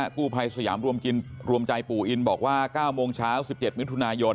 กู้ภัยสยามรวมใจปู่อินบอกว่า๙โมงเช้า๑๗มิถุนายน